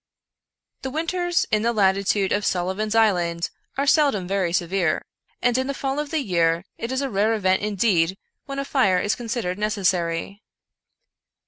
The winters in the latitude of Sullivan's Island are sel dom very severe, and in the fall of the year it is a rare event indeed when a fire is considered necessary.